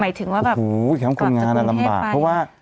หมายถึงว่าแบบอุ้ยแคมป์คุณงานน่ะลำบากเพราะว่า